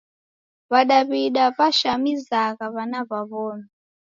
W'adaw'ida w'ashamizagha w'ana w'a w'omi.